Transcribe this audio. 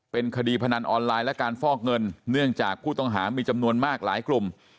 เป็นคดีพนันออนไลน์และการฟอกเงินเนื่องจากผู้ต้องหามีจำนวนมากหลายกลุ่ม